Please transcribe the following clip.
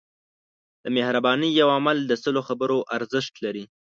د مهربانۍ یو عمل د سلو خبرو ارزښت لري.